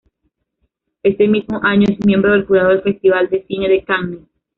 Ese mismo año es miembro del Jurado del Festival de Cine de Cannes.